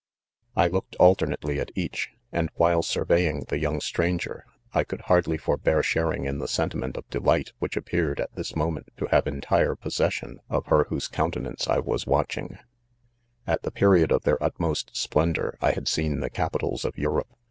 I looked alternately at each 5 and while sur veying the young stranger, I could hardly for bear sharing in the sentiment of delight which appeared at this moment to have entire pos session of her whose countenance I was watch At the period of their utmost splendor I had seen the capitals of Europe.